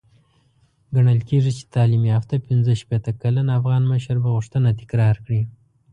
ګڼل کېږي چې تعليم يافته پنځه شپېته کلن افغان مشر به غوښتنه تکرار کړي.